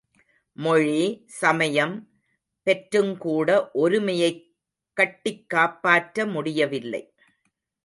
மொழி, சமயம் பெற்றுங்கூட ஒருமையைக் கட்டிக் காப்பாற்ற முடியவில்லை.